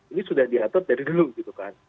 ini sudah diatur dari dulu gitu kan